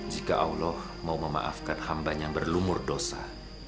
jika allah mau memaafkan hamba yang berlumur dosa